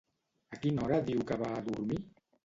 A quina hora diu que va a dormir?